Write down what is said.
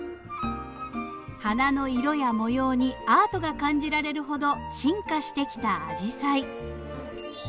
花の色や模様にアートが感じられるほど「進化」してきたアジサイ。